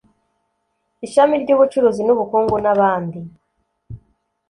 ishami ry’ubucuruzi n’ubukungu n’abandi